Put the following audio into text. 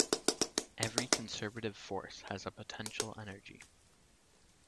Every conservative force has a potential energy.